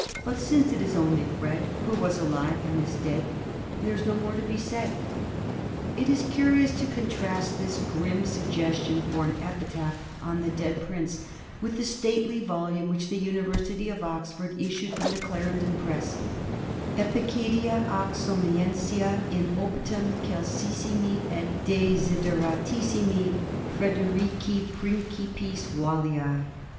But since it is only Fred, Who was alive and is dead, There^s no more to be said." It is curious to contrast this grim suggestion for an epi taph on the dead prince with the stately volume which the University of Oxford issued from the Clarendon Press ;" Epicedia Oxoniensia in obitum celsissimi et de sideratissimi Prederici Principis Walliae."